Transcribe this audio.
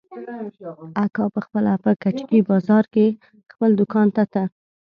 اکا پخپله په کجکي بازار کښې خپل دوکان ته ته.